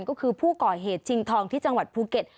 ก็คือผู้ก่อเหตุชิงทองที่จังหวัดภูเก็ต